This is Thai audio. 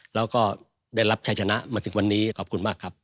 แล้วก็ได้รับชัยชนะมาถึงวันนี้ขอบคุณมากครับ